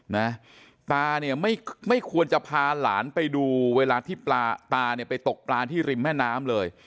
นะตาเนี่ยไม่ไม่ควรจะพาหลานไปดูเวลาที่ตาเนี่ยไปตกปลาที่ริมแม่น้ำเลย